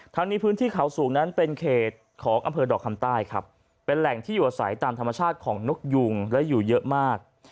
ทั้งนี้พื้นที่เขาสูงนั้นเป็นเขตของอำเภอดอกคำใต้ครับเป็นแหล่งที่อยู่อาศัยตามธรรมชาติของนกยุงและอยู่เยอะมาก